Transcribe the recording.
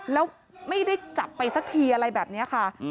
แล้วไม่ได้จับไปสักทีอะไรแบบนี้ค่ะ